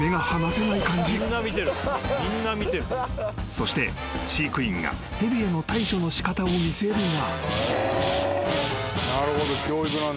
［そして飼育員が蛇への対処のしかたを見せるが］